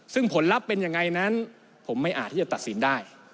ซึ่งผลลัพธ์เป็นยังไงนั้นผมไม่อาจที่จะตัดสินได้